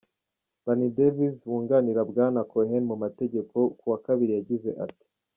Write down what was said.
Lanny Davis, wunganira Bwana Cohen mu mategeko, ku wa kabiri yagize ati:.